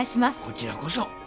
こちらこそ。